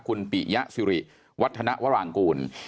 คุณปิยะสิริวัฒนวรางกูล